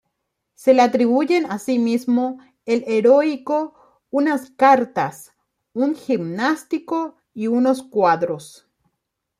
Se le atribuyen asimismo el "Heroico", unas "Cartas", un "Gimnástico" y unos "Cuadros".